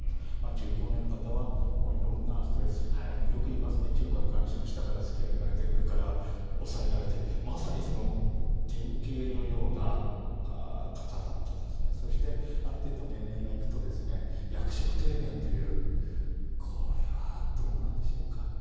中高年の方は色んなストレスよく言いますね、中間管理職は下から突き上げられて上から押さえられてまさに典型のような方だったりそして、ある程度年齢が行くと役職定年というこれはどうなんでしょうか。